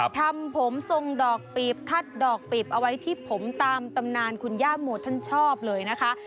ทำผมทรงดอกปีบคัดดอกปีบเอาไว้ที่ผมตามตำนานคุณย่าโมท่านชอบเลยนะคะ